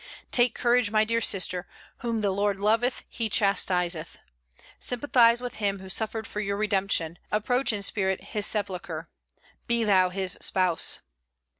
Take courage, my dear sister; whom the Lord loveth he chastiseth. Sympathize with Him who suffered for your redemption. Approach in spirit His sepulchre. Be thou His spouse."